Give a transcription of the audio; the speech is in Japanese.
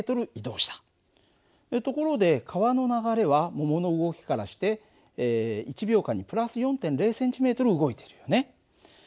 ところで川の流れは桃の動きからして１秒間に＋４．０ｃｍ動いてるよね。